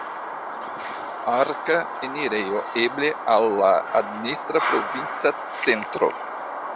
Arka enirejo, eble, al la administra provinca centro.